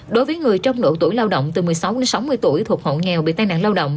đối với người trong độ tuổi lao động từ một mươi sáu đến sáu mươi tuổi thuộc hộ nghèo bị tai nạn lao động